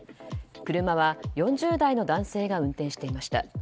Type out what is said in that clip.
車は、４０代の男性が運転していました。